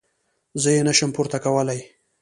زه يې نه شم پورته کولاى.